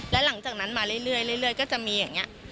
และหลังจากนั้นมาเรื่อยก็จะมีอย่างนี้